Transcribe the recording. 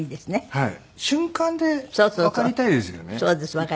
はい。